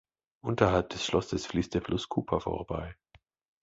Unterhalb des Schlosses fließt der Fluss Kupa vorbei.